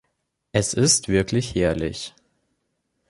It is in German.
Es ist wirklich herrlich.